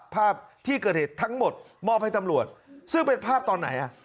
ภาพที่เกิดเหตุทั้งหมดมอบให้ตำรวจซึ่งเป็นภาพตอนไหนอ่ะ